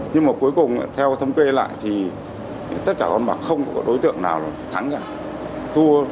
nhưng mà cuối cùng theo thống kê lại thì tất cả con bạc không có đối tượng nào là thắng cả thua